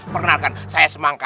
perkenalkan saya semangka